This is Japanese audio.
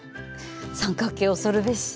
三角形恐るべし。